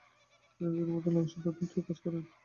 তিনি যুদ্ধ মন্ত্রণালয়ের সদরদপ্তরে কাজ করেন।